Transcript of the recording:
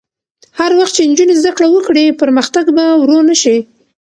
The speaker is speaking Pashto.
هر وخت چې نجونې زده کړه وکړي، پرمختګ به ورو نه شي.